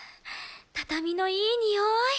畳のいいにおい。